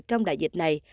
trong đại dịch này